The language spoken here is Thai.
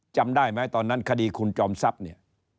จำได้ไหมตอนนั้นคดีคุณจอมทรัพย์เนี่ย